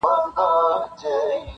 o ته پر ګرځه د باران حاجت یې نسته,